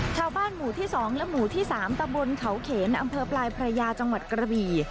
ชาวบ้านหมู่ที่๒และหมู่ที่๓ตะบนเขาเขนอำเภอปลายพระยาจังหวัดกระบี่